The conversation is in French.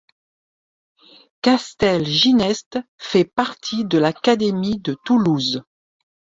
Castelginest fait partie de l'académie de Toulouse.